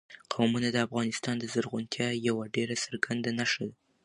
قومونه د افغانستان د زرغونتیا یوه ډېره څرګنده نښه ده.